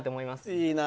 いいな。